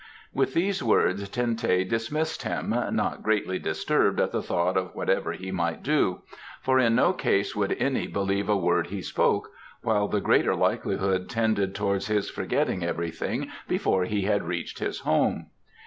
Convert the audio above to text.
With these words Ten teh dismissed him, not greatly disturbed at the thought of whatever he might do; for in no case would any believe a word he spoke, while the greater likelihood tended towards his forgetting everything before he had reached his home.